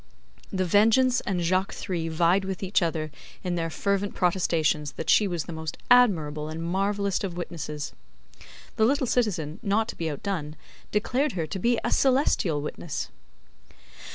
The Vengeance and Jacques Three vied with each other in their fervent protestations that she was the most admirable and marvellous of witnesses. The little citizen, not to be outdone, declared her to be a celestial witness.